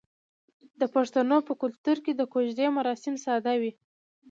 د پښتنو په کلتور کې د کوژدې مراسم ساده وي.